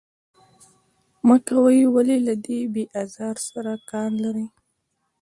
مه کوئ، ولې له دې بې آزار سره کار لرئ.